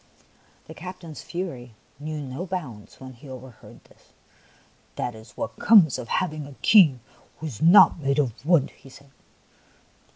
The captain's fury knew no bounds when he overheard this. " That is what comes of hav ing a king who is not made of wood," he said.